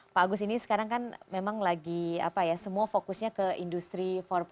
pak agus ini sekarang kan memang lagi semua fokusnya ke industri empat